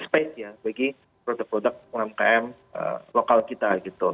space ya bagi produk produk umkm lokal kita gitu